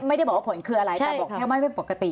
ไม่ได้บอกว่าผลคืออะไรแต่บอกแค่ไม่ปกติ